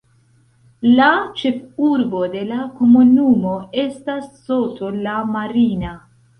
La ĉefurbo de la komunumo estas Soto la Marina.